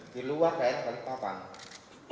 di luar balikpapan